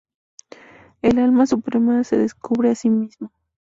El Alma Suprema se descubre a sí misma.